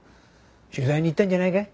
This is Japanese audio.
取材に行ったんじゃないかい？